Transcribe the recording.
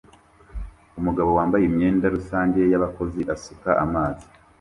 Umugabo wambaye imyenda rusange y'abakozi asuka amazi